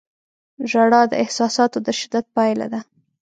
• ژړا د احساساتو د شدت پایله ده.